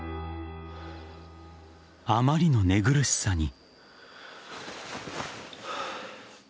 あまりの寝苦しさに。